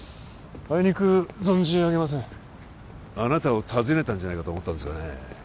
あいにく存じ上げませんあなたを訪ねたんじゃないかと思ったんですがね